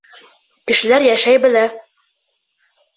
Кешеләр йәшәй белә.